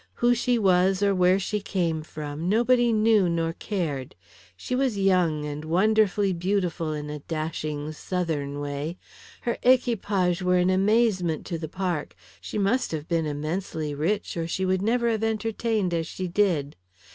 Who she was or where she came from nobody knew nor cared. She was young and wonderfully beautiful in a dashing Southern way, her equipages were an amazement to the park; she must have been immensely rich, or she would never have entertained as she did.